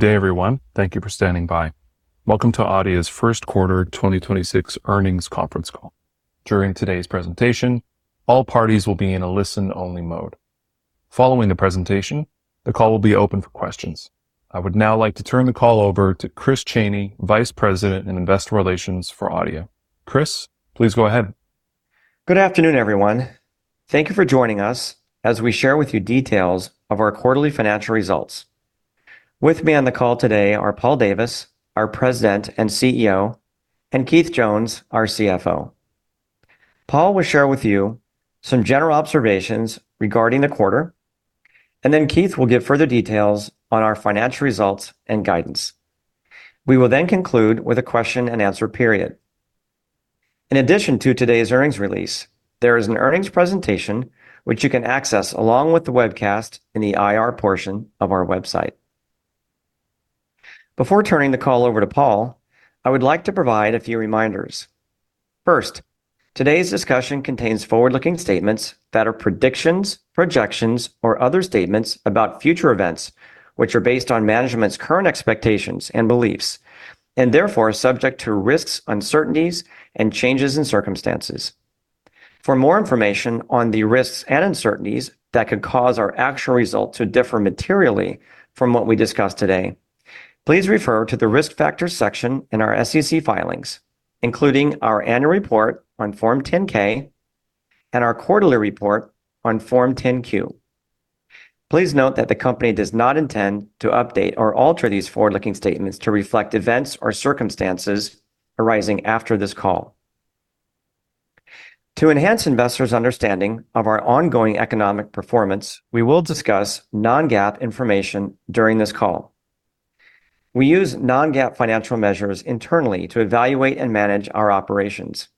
Good day, everyone. Thank you for standing by. Welcome to Adeia's first quarter 2026 earnings conference call. During today's presentation, all parties will be in a listen-only mode. Following the presentation, the call will be open for questions. I would now like to turn the call over to Chris Chaney, Vice President in Investor Relations for Adeia. Chris, please go ahead. Good afternoon, everyone. Thank you for joining us as we share with you details of our quarterly financial results. With me on the call today are Paul Davis, our President and CEO, and Keith Jones, our CFO. Paul will share with you some general observations regarding the quarter, and then Keith will give further details on our financial results and guidance. We will then conclude with a question and answer period. In addition to today's earnings release, there is an earnings presentation which you can access along with the webcast in the IR portion of our website. Before turning the call over to Paul, I would like to provide a few reminders. First, today's discussion contains forward-looking statements that are predictions, projections, or other statements about future events, which are based on management's current expectations and beliefs, and therefore are subject to risks, uncertainties, and changes in circumstances. For more information on the risks and uncertainties that could cause our actual result to differ materially from what we discuss today, please refer to the Risk Factors section in our SEC filings, including our annual report on Form 10-K and our quarterly report on Form 10-Q. Please note that the company does not intend to update or alter these forward-looking statements to reflect events or circumstances arising after this call. To enhance investors' understanding of our ongoing economic performance, we will discuss non-GAAP information during this call. We use non-GAAP financial measures internally to evaluate and manage our operations.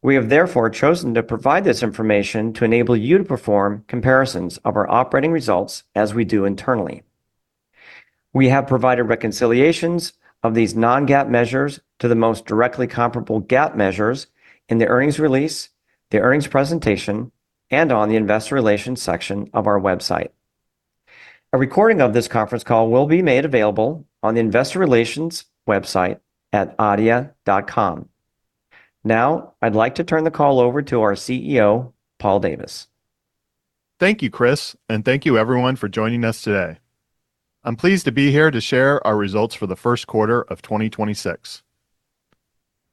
We have therefore chosen to provide this information to enable you to perform comparisons of our operating results as we do internally. We have provided reconciliations of these non-GAAP measures to the most directly comparable GAAP measures in the earnings release, the earnings presentation, and on the Investor Relations section of our website. A recording of this conference call will be made available on the Investor Relations website at adeia.com. Now I'd like to turn the call over to our CEO, Paul Davis. Thank you, Chris, and thank you everyone for joining us today. I'm pleased to be here to share our results for the first quarter of 2026.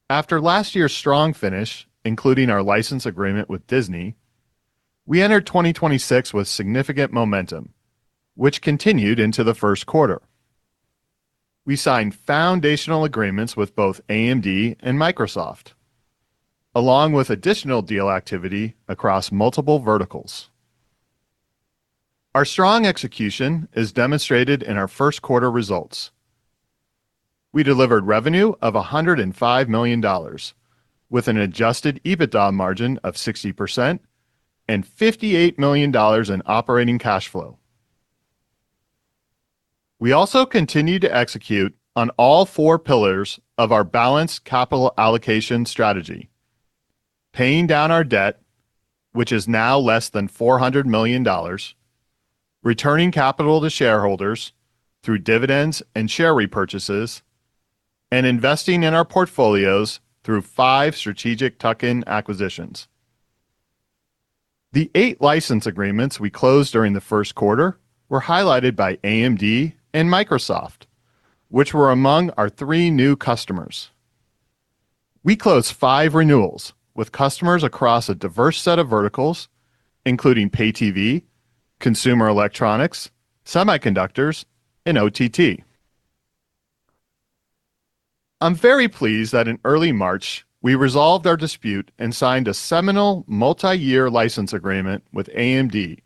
After last year's strong finish, including our license agreement with Disney, we entered 2026 with significant momentum, which continued into the first quarter. We signed foundational agreements with both AMD and Microsoft, along with additional deal activity across multiple verticals. Our strong execution is demonstrated in our first quarter results. We delivered revenue of $105 million, with an adjusted EBITDA margin of 60% and $58 million in operating cash flow. We also continued to execute on all four pillars of our balanced capital allocation strategy, paying down our debt, which is now less than $400 million, returning capital to shareholders through dividends and share repurchases, and investing in our portfolios through five strategic tuck-in acquisitions. The eight license agreements we closed during the first quarter were highlighted by AMD and Microsoft, which were among our three new customers. We closed five renewals with customers across a diverse set of verticals, including pay TV, consumer electronics, semiconductors, and OTT. I'm very pleased that in early March, we resolved our dispute and signed a seminal multi-year license agreement with AMD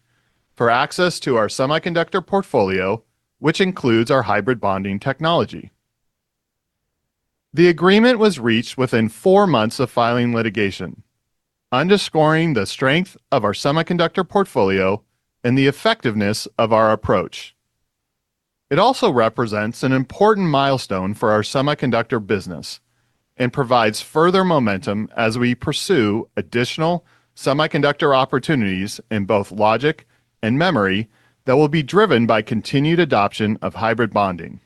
for access to our semiconductor portfolio, which includes our hybrid bonding technology. The agreement was reached within four months of filing litigation, underscoring the strength of our semiconductor portfolio and the effectiveness of our approach. It also represents an important milestone for our semiconductor business and provides further momentum as we pursue additional semiconductor opportunities in both logic and memory that will be driven by continued adoption of hybrid bonding.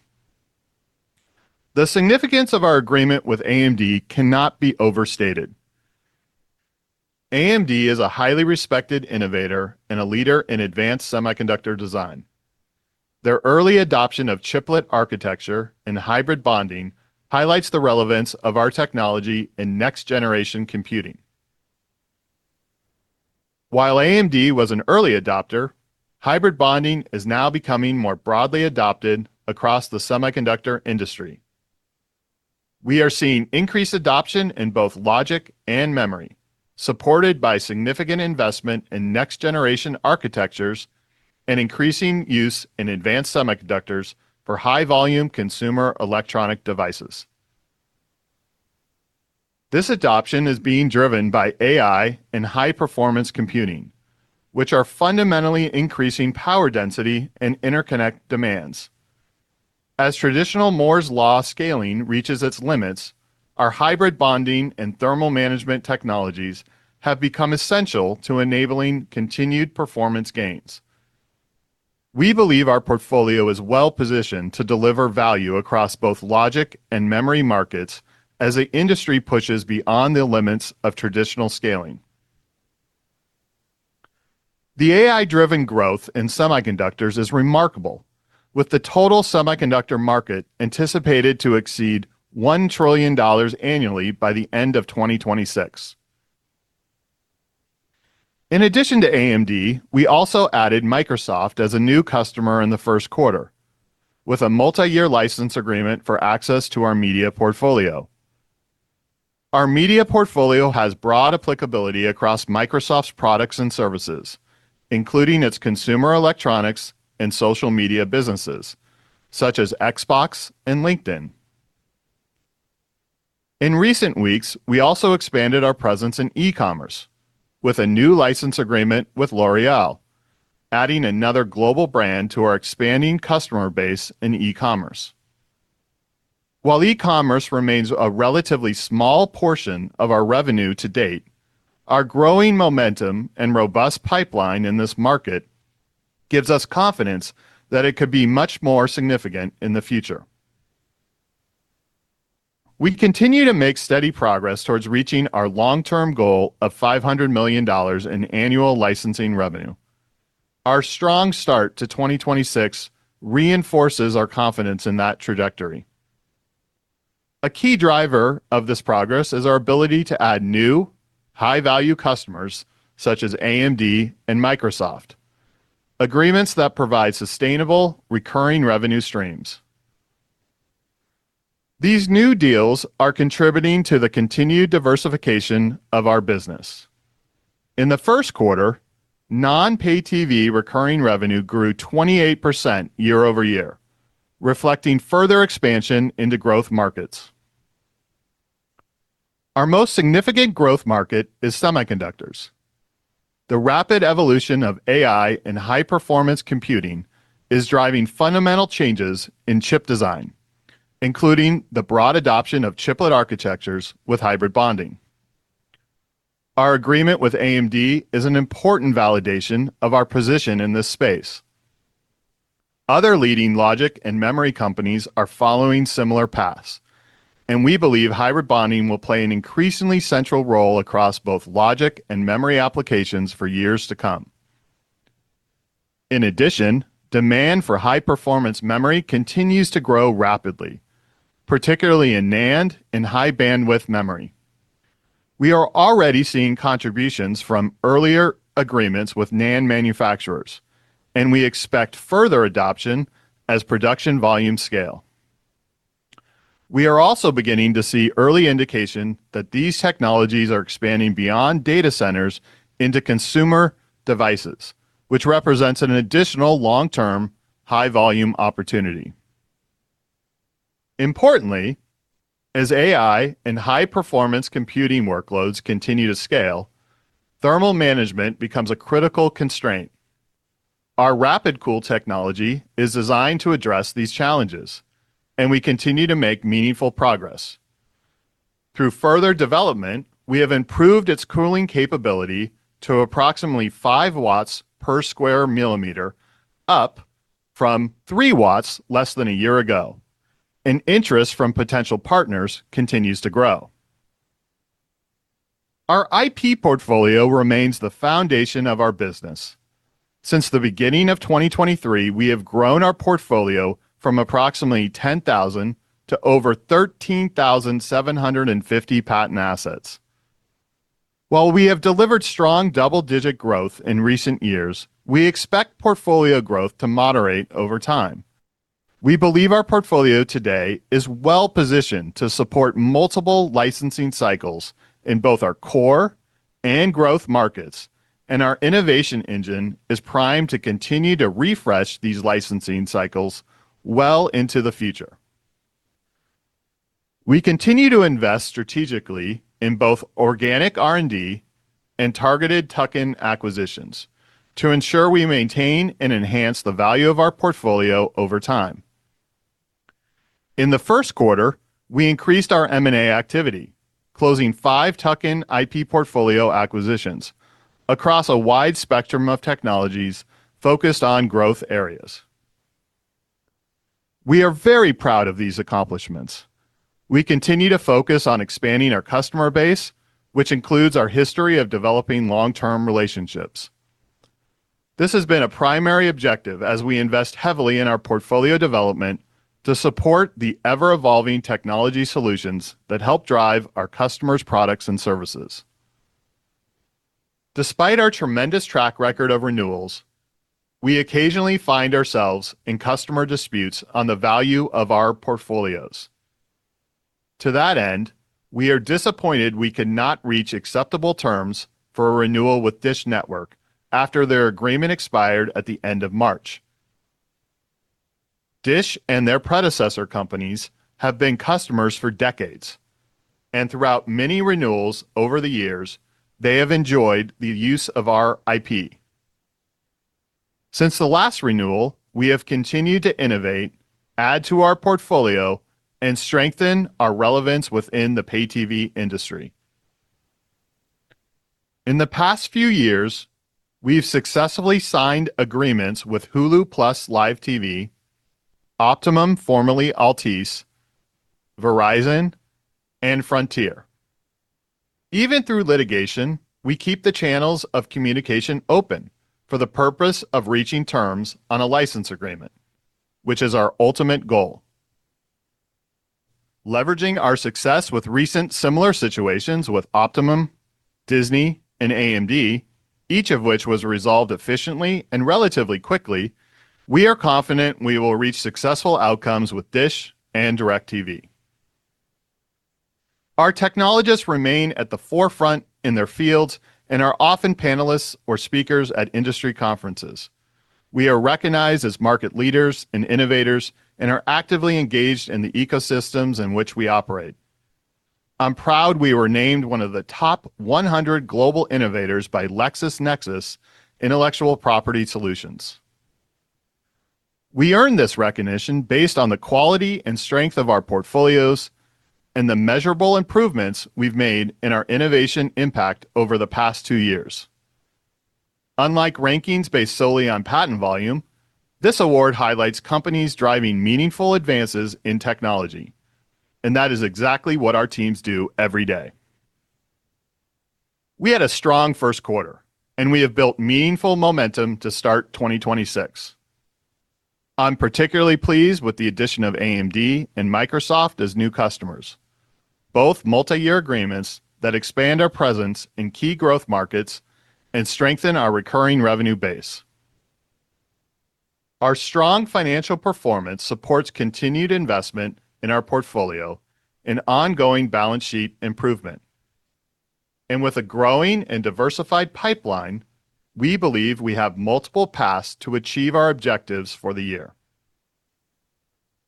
The significance of our agreement with AMD cannot be overstated. AMD is a highly respected innovator and a leader in advanced semiconductor design. Their early adoption of chiplet architecture and hybrid bonding highlights the relevance of our technology in next-generation computing. While AMD was an early adopter, hybrid bonding is now becoming more broadly adopted across the semiconductor industry. We are seeing increased adoption in both logic and memory, supported by significant investment in next-generation architectures and increasing use in advanced semiconductors for high-volume consumer electronic devices. This adoption is being driven by AI and high-performance computing, which are fundamentally increasing power density and interconnect demands. As traditional Moore's Law scaling reaches its limits. Our hybrid bonding and thermal management technologies have become essential to enabling continued performance gains. We believe our portfolio is well-positioned to deliver value across both logic and memory markets as the industry pushes beyond the limits of traditional scaling. The AI-driven growth in semiconductors is remarkable, with the total semiconductor market anticipated to exceed $1 trillion annually by the end of 2026. In addition to AMD, we also added Microsoft as a new customer in the first quarter, with a multi-year license agreement for access to our media portfolio. Our media portfolio has broad applicability across Microsoft's products and services, including its consumer electronics and social media businesses, such as Xbox and LinkedIn. In recent weeks, we also expanded our presence in e-commerce with a new license agreement with L'Oréal, adding another global brand to our expanding customer base in e-commerce. While e-commerce remains a relatively small portion of our revenue to date, our growing momentum and robust pipeline in this market gives us confidence that it could be much more significant in the future. We continue to make steady progress towards reaching our long-term goal of $500 million in annual licensing revenue. Our strong start to 2026 reinforces our confidence in that trajectory. A key driver of this progress is our ability to add new, high-value customers such as AMD and Microsoft, agreements that provide sustainable recurring revenue streams. These new deals are contributing to the continued diversification of our business. In the first quarter, non-pay TV recurring revenue grew 28% year-over-year, reflecting further expansion into growth markets. Our most significant growth market is semiconductors. The rapid evolution of AI and high-performance computing is driving fundamental changes in chip design, including the broad adoption of chiplet architectures with hybrid bonding. Our agreement with AMD is an important validation of our position in this space. Other leading logic and memory companies are following similar paths, and we believe hybrid bonding will play an increasingly central role across both logic and memory applications for years to come. In addition, demand for high-performance memory continues to grow rapidly, particularly in NAND and high-bandwidth memory. We are already seeing contributions from earlier agreements with NAND manufacturers, and we expect further adoption as production volumes scale. We are also beginning to see early indication that these technologies are expanding beyond data centers into consumer devices, which represents an additional long-term high-volume opportunity. Importantly, as AI and high-performance computing workloads continue to scale, thermal management becomes a critical constraint. Our RapidCool technology is designed to address these challenges, and we continue to make meaningful progress. Through further development, we have improved its cooling capability to approximately 5 W per square millimeter, up from 3 W less than a year ago, and interest from potential partners continues to grow. Our IP portfolio remains the foundation of our business. Since the beginning of 2023, we have grown our portfolio from approximately 10,000 to over 13,750 patent assets. While we have delivered strong double-digit growth in recent years, we expect portfolio growth to moderate over time. We believe our portfolio today is well-positioned to support multiple licensing cycles in both our core and growth markets, and our innovation engine is primed to continue to refresh these licensing cycles well into the future. We continue to invest strategically in both organic R&D and targeted tuck-in acquisitions to ensure we maintain and enhance the value of our portfolio over time. In the first quarter, we increased our M&A activity, closing five tuck-in IP portfolio acquisitions across a wide spectrum of technologies focused on growth areas. We are very proud of these accomplishments. We continue to focus on expanding our customer base, which includes our history of developing long-term relationships. This has been a primary objective as we invest heavily in our portfolio development to support the ever-evolving technology solutions that help drive our customers' products and services. Despite our tremendous track record of renewals, we occasionally find ourselves in customer disputes on the value of our portfolios. To that end, we are disappointed we could not reach acceptable terms for a renewal with Dish Network after their agreement expired at the end of March. Dish and their predecessor companies have been customers for decades, and throughout many renewals over the years, they have enjoyed the use of our IP. Since the last renewal, we have continued to innovate, add to our portfolio, and strengthen our relevance within the pay TV industry. In the past few years, we've successfully signed agreements with Hulu + Live TV, Optimum, formerly Altice USA, Verizon, and Frontier. Even through litigation, we keep the channels of communication open for the purpose of reaching terms on a license agreement, which is our ultimate goal. Leveraging our success with recent similar situations with Optimum, Disney, and AMD, each of which was resolved efficiently and relatively quickly, we are confident we will reach successful outcomes with Dish Network and DirecTV. Our technologists remain at the forefront in their fields and are often panelists or speakers at industry conferences. We are recognized as market leaders and innovators and are actively engaged in the ecosystems in which we operate. I'm proud we were named one of the top 100 global innovators by LexisNexis Intellectual Property Solutions. We earned this recognition based on the quality and strength of our portfolios and the measurable improvements we've made in our innovation impact over the past two years. Unlike rankings based solely on patent volume, this award highlights companies driving meaningful advances in technology, and that is exactly what our teams do every day. We had a strong first quarter, and we have built meaningful momentum to start 2026. I'm particularly pleased with the addition of AMD and Microsoft as new customers, both multi-year agreements that expand our presence in key growth markets and strengthen our recurring revenue base. Our strong financial performance supports continued investment in our portfolio and ongoing balance sheet improvement. With a growing and diversified pipeline, we believe we have multiple paths to achieve our objectives for the year.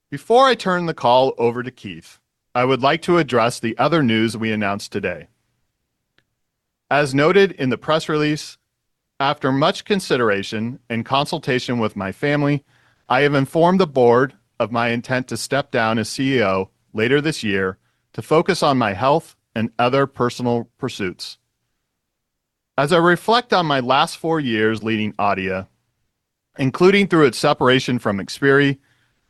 Before I turn the call over to Keith, I would like to address the other news we announced today. As noted in the press release, after much consideration and consultation with my family, I have informed the board of my intent to step down as CEO later this year to focus on my health and other personal pursuits. As I reflect on my last four years leading Adeia, including through its separation from Xperi,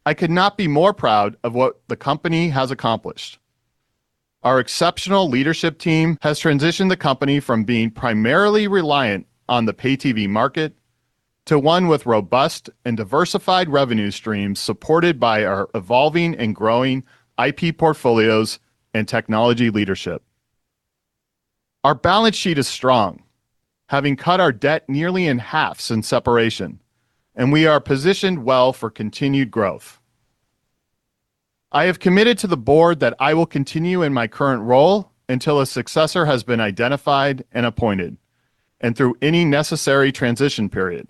I could not be more proud of what the company has accomplished. Our exceptional leadership team has transitioned the company from being primarily reliant on the pay TV market to one with robust and diversified revenue streams supported by our evolving and growing IP portfolios and technology leadership. Our balance sheet is strong, having cut our debt nearly in half since separation, and we are positioned well for continued growth. I have committed to the board that I will continue in my current role until a successor has been identified and appointed and through any necessary transition period.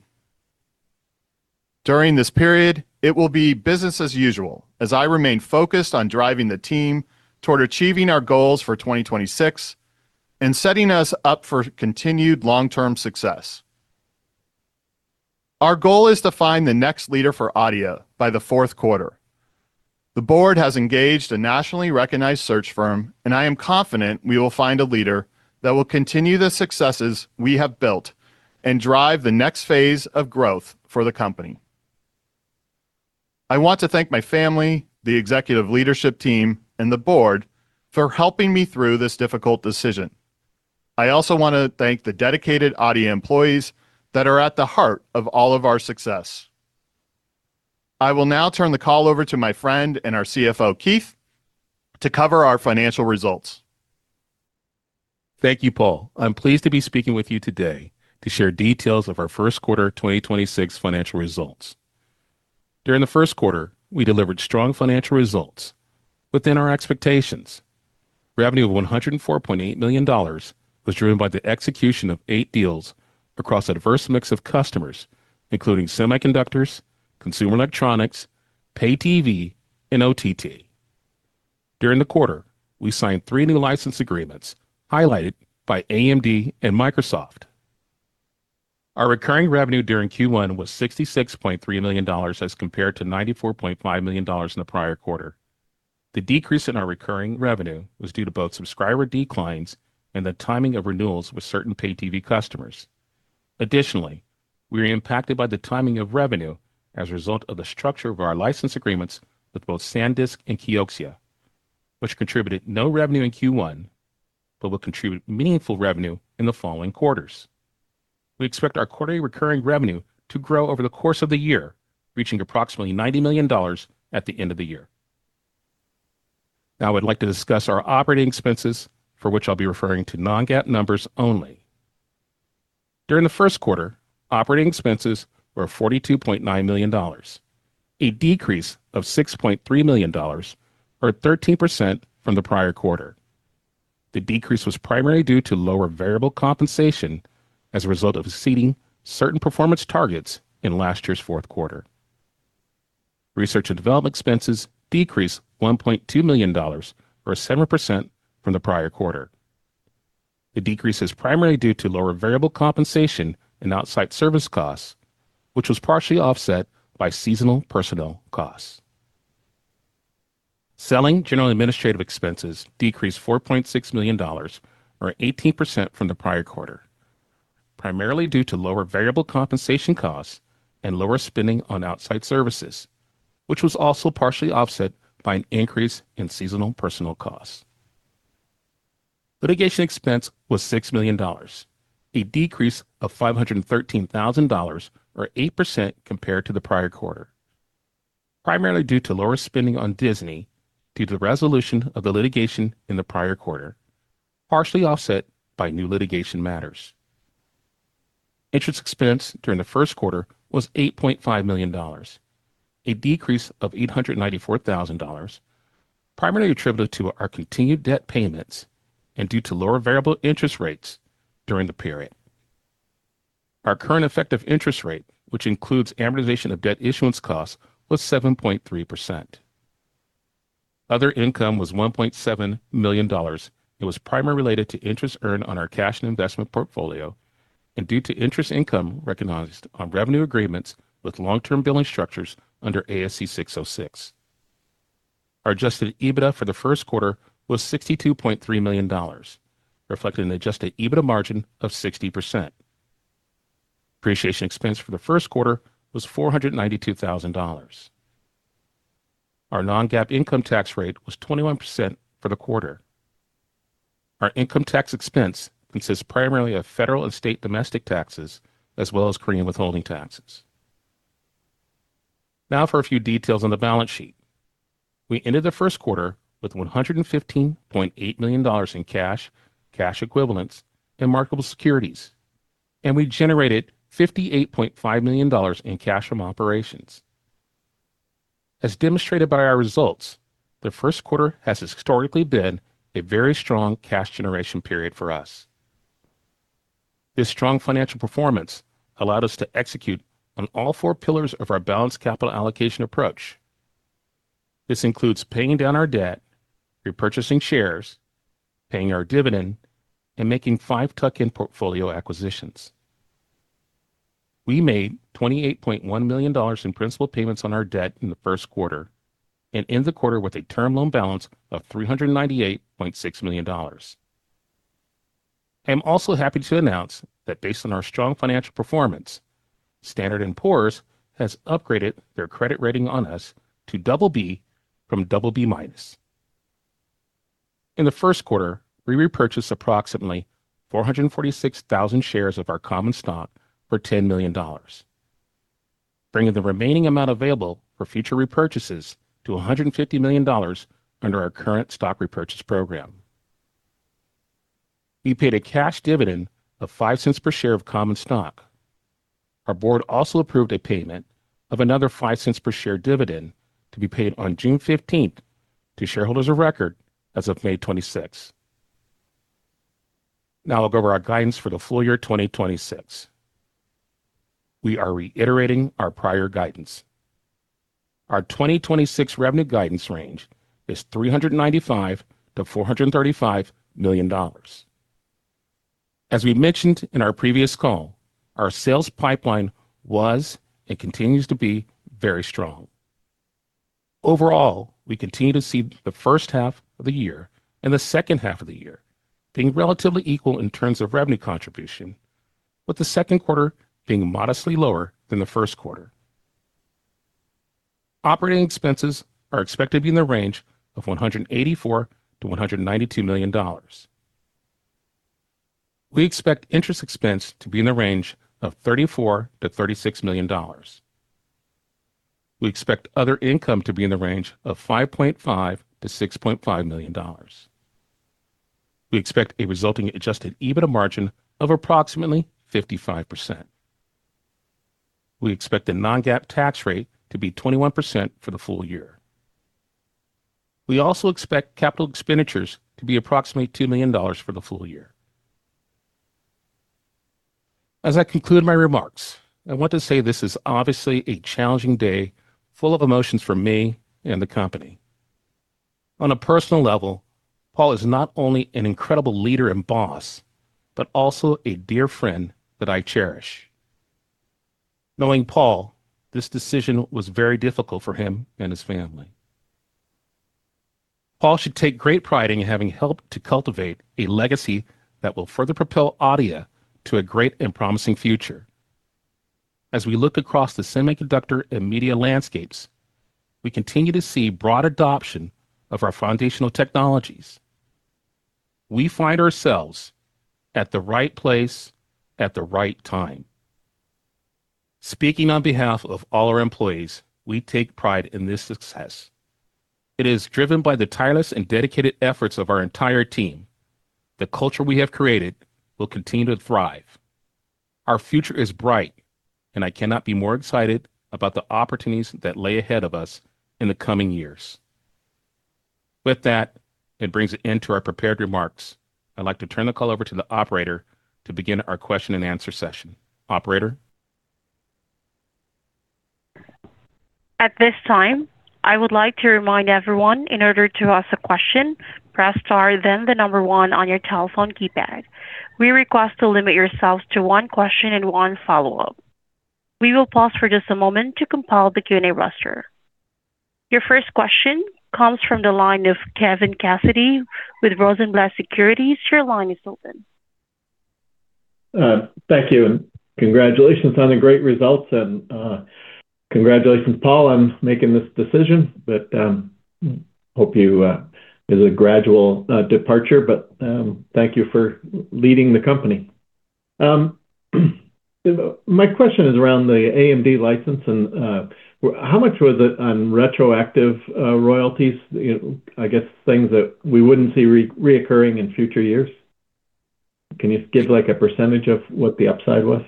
During this period, it will be business as usual as I remain focused on driving the team toward achieving our goals for 2026 and setting us up for continued long-term success. Our goal is to find the next leader for Adeia by the fourth quarter. The board has engaged a nationally recognized search firm. I am confident we will find a leader that will continue the successes we have built and drive the next phase of growth for the company. I want to thank my family, the executive leadership team, and the board for helping me through this difficult decision. I also want to thank the dedicated Adeia employees that are at the heart of all of our success. I will now turn the call over to my friend and our CFO, Keith, to cover our financial results. Thank you, Paul. I'm pleased to be speaking with you today to share details of our first quarter 2026 financial results. During the first quarter, we delivered strong financial results within our expectations. Revenue of $104.8 million was driven by the execution of eight deals across a diverse mix of customers, including semiconductors, consumer electronics, pay TV, and OTT. During the quarter, we signed three new license agreements highlighted by AMD and Microsoft. Our recurring revenue during Q1 was $66.3 million as compared to $94.5 million in the prior quarter. The decrease in our recurring revenue was due to both subscriber declines and the timing of renewals with certain pay TV customers. Additionally, we were impacted by the timing of revenue as a result of the structure of our license agreements with both SanDisk and Kioxia, which contributed no revenue in Q1, but will contribute meaningful revenue in the following quarters. We expect our quarterly recurring revenue to grow over the course of the year, reaching approximately $90 million at the end of the year. I would like to discuss our operating expenses, for which I'll be referring to non-GAAP numbers only. During the first quarter, operating expenses were $42.9 million, a decrease of $6.3 million or 13% from the prior quarter. The decrease was primarily due to lower variable compensation as a result of exceeding certain performance targets in last year's fourth quarter. Research and Development expenses decreased $1.2 million, or 7% from the prior quarter. The decrease is primarily due to lower variable compensation and outside service costs, which was partially offset by seasonal personnel costs. Selling, general, and administrative expenses decreased $4.6 million, or 18% from the prior quarter, primarily due to lower variable compensation costs and lower spending on outside services, which was also partially offset by an increase in seasonal personnel costs. Litigation expense was $6 million, a decrease of $513,000 or 8% compared to the prior quarter, primarily due to lower spending on Disney due to the resolution of the litigation in the prior quarter, partially offset by new litigation matters. Interest expense during the first quarter was $8.5 million, a decrease of $894,000, primarily attributed to our continued debt payments and due to lower variable interest rates during the period. Our current effective interest rate, which includes amortization of debt issuance costs, was 7.3%. Other income was $1.7 million. It was primarily related to interest earned on our cash and investment portfolio and due to interest income recognized on revenue agreements with long-term billing structures under ASC 606. Our adjusted EBITDA for the first quarter was $62.3 million, reflecting an adjusted EBITDA margin of 60%. Depreciation expense for the first quarter was $492,000. Our non-GAAP income tax rate was 21% for the quarter. Our income tax expense consists primarily of federal and state domestic taxes as well as Korean withholding taxes. Now for a few details on the balance sheet. We ended the first quarter with $115.8 million in cash equivalents, and marketable securities, and we generated $58.5 million in cash from operations. As demonstrated by our results, the first quarter has historically been a very strong cash generation period for us. This strong financial performance allowed us to execute on all four pillars of our balanced capital allocation approach. This includes paying down our debt, repurchasing shares, paying our dividend, and making five tuck-in portfolio acquisitions. We made $28.1 million in principal payments on our debt in the first quarter and end the quarter with a term loan balance of $398.6 million. I am also happy to announce that based on our strong financial performance, Standard & Poor's has upgraded their credit rating on us to BB from BB-. In the first quarter, we repurchased approximately 446,000 shares of our common stock for $10 million, bringing the remaining amount available for future repurchases to $150 million under our current stock repurchase program. We paid a cash dividend of $0.05 per share of common stock. Our board also approved a payment of another $0.05 per share dividend to be paid on June 15th to shareholders of record as of May 26th. Now I'll go over our guidance for the full-year 2026. We are reiterating our prior guidance. Our 2026 revenue guidance range is $395 million-$435 million. As we mentioned in our previous call, our sales pipeline was and continues to be very strong. Overall, we continue to see the first half of the year and the second half of the year being relatively equal in terms of revenue contribution, with the second quarter being modestly lower than the first quarter. Operating expenses are expected to be in the range of $184 million-$192 million. We expect interest expense to be in the range of $34 million-$36 million. We expect other income to be in the range of $5.5 million-$6.5 million. We expect a resulting adjusted EBITDA margin of approximately 55%. We expect the non-GAAP tax rate to be 21% for the full year. We also expect capital expenditures to be approximately $2 million for the full year. As I conclude my remarks, I want to say this is obviously a challenging day full of emotions for me and the company. On a personal level, Paul is not only an incredible leader and boss, but also a dear friend that I cherish. Knowing Paul, this decision was very difficult for him and his family. Paul should take great pride in having helped to cultivate a legacy that will further propel Adeia to a great and promising future. As we look across the semiconductor and media landscapes, we continue to see broad adoption of our foundational technologies. We find ourselves at the right place at the right time. Speaking on behalf of all our employees, we take pride in this success. It is driven by the tireless and dedicated efforts of our entire team. The culture we have created will continue to thrive. Our future is bright, and I cannot be more excited about the opportunities that lay ahead of us in the coming years. With that, it brings an end to our prepared remarks. I'd like to turn the call over to the operator to begin our question and answer session. Operator. At this time, I would like to remind everyone, in order to ask a question, press star then the number one on your telephone keypad. We request to limit yourselves to one question and one follow-up. We will pause for just a moment to compile the Q&A roster. Your first question comes from the line of Kevin Cassidy with Rosenblatt Securities. Your line is open. Thank you, congratulations on the great results. Congratulations, Paul, on making this decision. Hope you, it is a gradual departure. Thank you for leading the company. My question is around the AMD license and how much was it on retroactive royalties? You know, I guess things that we wouldn't see reoccurring in future years. Can you give, like, a percentage of what the upside was?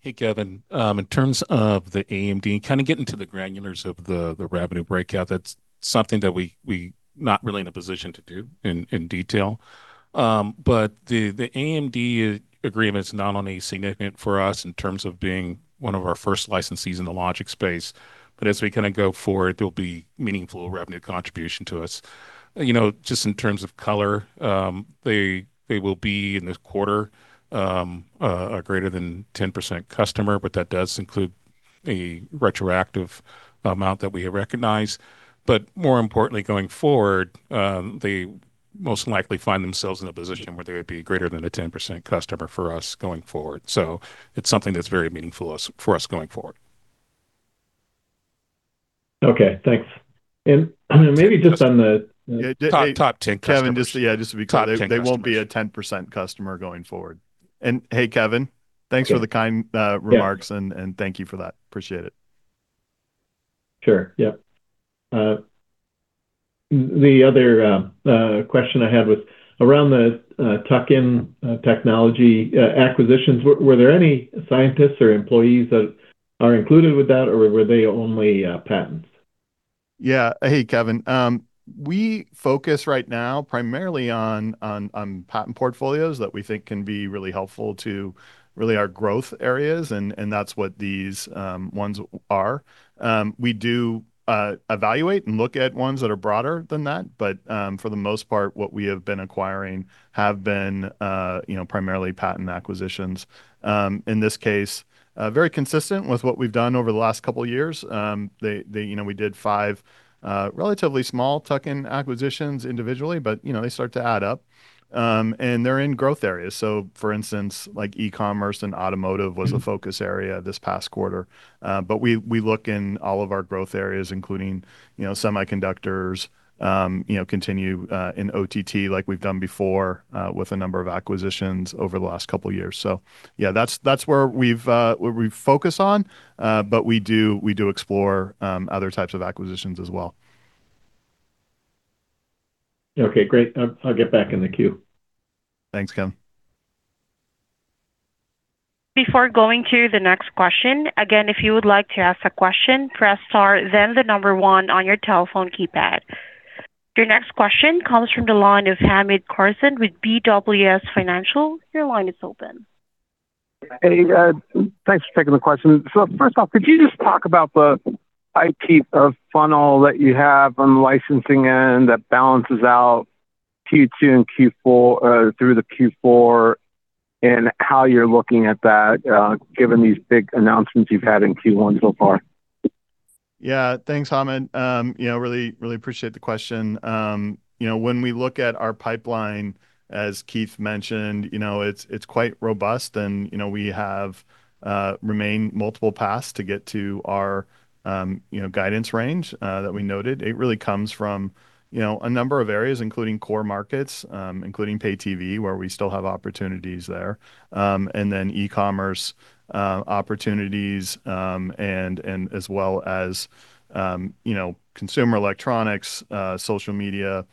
Hey, Kevin. In terms of the AMD, kind of getting to the granulars of the revenue breakout, that's something that we not really in a position to do in detail. The AMD agreement's not only significant for us in terms of being one of our first licensees in the logic space, as we kind of go forward, there'll be meaningful revenue contribution to us. You know, just in terms of color, they will be in this quarter a greater than 10% customer, that does include a retroactive amount that we recognize. More importantly, going forward, they most likely find themselves in a position where they would be greater than a 10% customer for us going forward. It's something that's very meaningful for us going forward. Okay, thanks. Top 10 customers. Kevin, just, yeah, just to be clear- Top 10 customers They won't be a 10% customer going forward. Hey, Kevin, thanks for the kind remarks. Yeah Thank you for that. Appreciate it. Sure. Yeah. The other question I had was around the tuck-in technology acquisitions. Were there any scientists or employees that are included with that, or were they only patents? Hey, Kevin. We focus right now primarily on patent portfolios that we think can be really helpful to our growth areas, and that's what these ones are. We do evaluate and look at ones that are broader than that. For the most part, what we have been acquiring have been, you know, primarily patent acquisitions. In this case, very consistent with what we've done over the last couple years. They, you know, we did five relatively small tuck-in acquisitions individually, you know, they start to add up. They're in growth areas. For instance, like, e-commerce and automotive was a focus area this past quarter. But we look in all of our growth areas, including, you know, semiconductors, you know, continue in OTT like we've done before, with a number of acquisitions over the last couple years. Yeah, that's where we've where we focus on, but we do explore other types of acquisitions as well. Okay, great. I'll get back in the queue. Thanks, Kevin. Before going to the next question, again, if you would like to ask a question, press star then the number one on your telephone keypad. Your next question comes from the line of Hamed Khorsand with BWS Financial. Your line is open. Hey, thanks for taking the question. First off, could you just talk about the IP funnel that you have on the licensing end that balances out Q2 and Q4 through the Q4, and how you're looking at that, given these big announcements you've had in Q1 so far? Yeah. Thanks, Hamed. you know, really appreciate the question. you know, when we look at our pipeline, as Keith mentioned, you know, it's quite robust and, you know, we have remained multiple paths to get to our, you know, guidance range that we noted. It really comes from, you know, a number of areas, including core markets, including pay TV, where we still have opportunities there. Then e-commerce opportunities, and as well as, you know, consumer electronics, social media,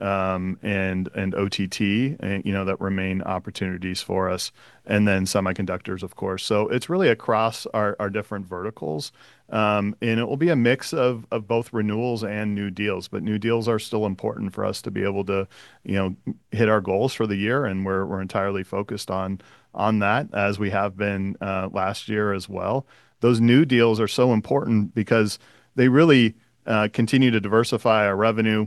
and OTT, you know, that remain opportunities for us. Then semiconductors, of course. It's really across our different verticals. it will be a mix of both renewals and new deals. New deals are still important for us to be able to, you know, hit our goals for the year, and we're entirely focused on that, as we have been last year as well. Those new deals are so important because they really continue to diversify our revenue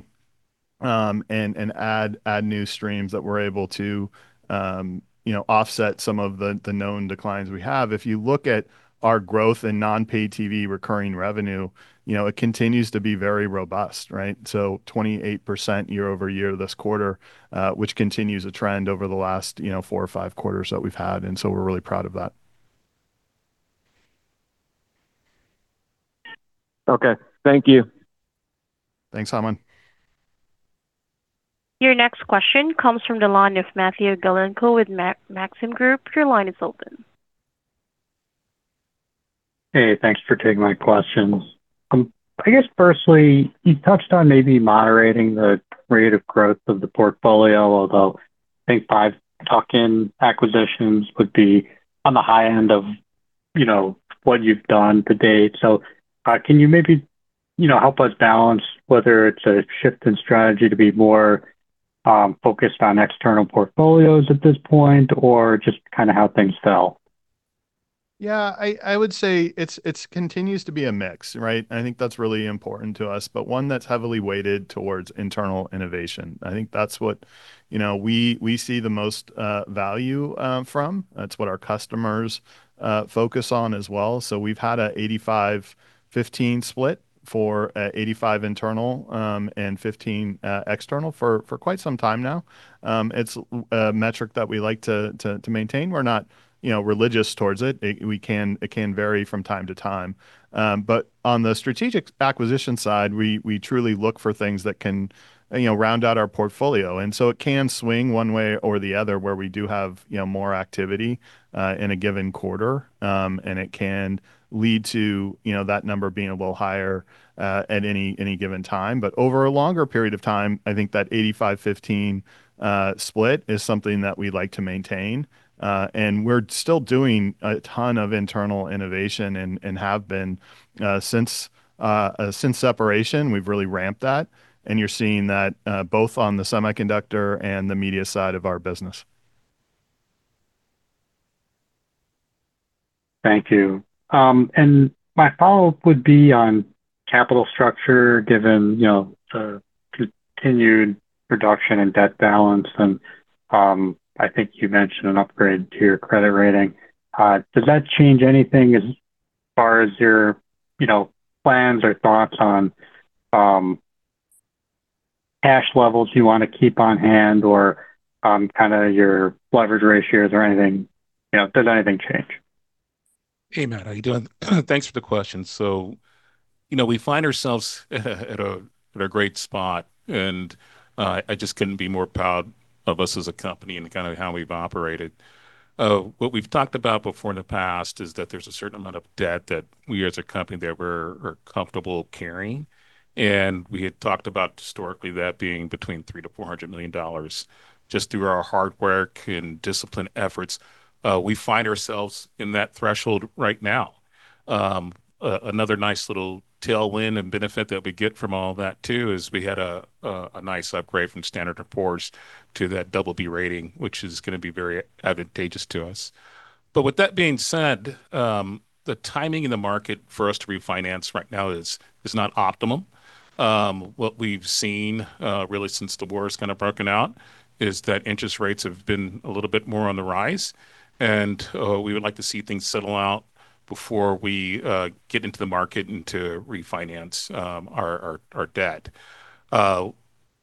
and add new streams that we're able to, you know, offset some of the known declines we have. If you look at our growth in non-pay TV recurring revenue, you know, it continues to be very robust, right? 28% year-over-year this quarter, which continues a trend over the last, you know, four or five quarters that we've had, and so we're really proud of that. Okay. Thank you. Thanks, Hamed. Your next question comes from the line of Matthew Galinko with Maxim Group. Your line is open. Hey, thanks for taking my questions. I guess firstly, you touched on maybe moderating the rate of growth of the portfolio, although I think five tuck-in acquisitions would be on the high end of. You know, what you've done to date. Can you maybe, you know, help us balance whether it's a shift in strategy to be more focused on external portfolios at this point or just kind of how things fell? Yeah. I would say it's continues to be a mix, right? I think that's really important to us. One that's heavily weighted towards internal innovation. I think that's what, you know, we see the most value from. That's what our customers focus on as well. We've had a 85/15 split for 85 internal and 15 external for quite some time now. It's a metric that we like to maintain. We're not, you know, religious towards it. It can vary from time to time. On the strategic acquisition side, we truly look for things that can, you know, round out our portfolio. It can swing one way or the other, where we do have, you know, more activity in a given quarter. And it can lead to, you know, that number being a little higher at any given time. Over a longer period of time, I think that 85/15 split is something that we like to maintain. We're still doing a ton of internal innovation and have been since separation, we've really ramped that. You're seeing that both on the semiconductor and the media side of our business. Thank you. My follow-up would be on capital structure, given, you know, the continued reduction in debt balance and I think you mentioned an upgrade to your credit rating. Does that change anything as far as your, you know, plans or thoughts on cash levels you wanna keep on hand or kind of your leverage ratios or anything? Does anything change? Hey, Matt, how you doing? Thanks for the question. You know, we find ourselves at a great spot, and I just couldn't be more proud of us as a company and kind of how we've operated. What we've talked about before in the past is that there's a certain amount of debt that we as a company that we're comfortable carrying. We had talked about historically that being between $300 million-$400 million. Just through our hard work and disciplined efforts, we find ourselves in that threshold right now. Another nice little tailwind and benefit that we get from all that too, is we had a nice upgrade from Standard & Poor's to that BB rating, which is gonna be very advantageous to us. With that being said, the timing in the market for us to refinance right now is not optimum. What we've seen, really since the war's kind of broken out is that interest rates have been a little bit more on the rise. We would like to see things settle out before we get into the market and to refinance our debt.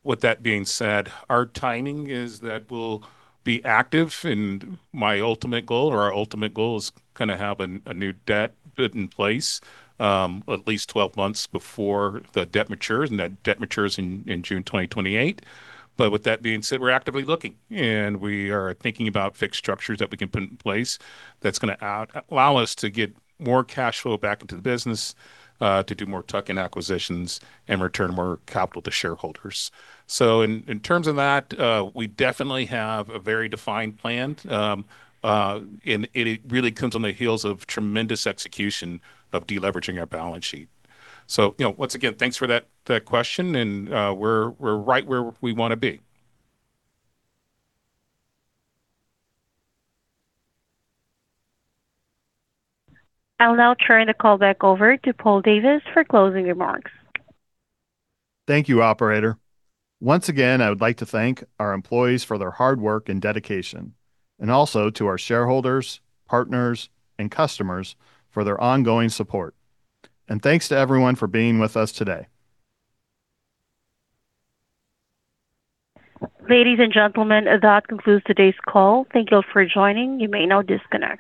With that being said, our timing is that we'll be active, and my ultimate goal or our ultimate goal is kinda have a new debt put in place at least 12 months before the debt matures, and that debt matures in June 2028. With that being said, we're actively looking, and we are thinking about fixed structures that we can put in place that's gonna allow us to get more cash flow back into the business, to do more tuck-in acquisitions and return more capital to shareholders. In terms of that, we definitely have a very defined plan. It really comes on the heels of tremendous execution of deleveraging our balance sheet. You know, once again, thanks for that question and we're right where we want to be. I'll now turn the call back over to Paul Davis for closing remarks. Thank you, operator. Once again, I would like to thank our employees for their hard work and dedication. Also to our shareholders, partners, and customers for their ongoing support. Thanks to everyone for being with us today. Ladies and gentlemen, that concludes today's call. Thank you for joining. You may now disconnect.